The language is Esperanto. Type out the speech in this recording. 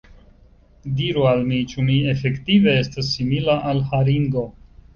Diru al mi, ĉu mi efektive estas simila al haringo?